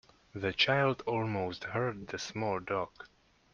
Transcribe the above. The child almost hurt the small dog.